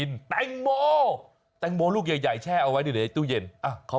ยังยังไม่ได้พูดพูดก่อน